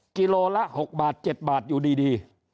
กิโลละ๖บาท๗บาทอยู่ดี